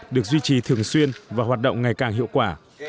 được duy trì thường xuyên và hoạt động ngày càng hiệu quả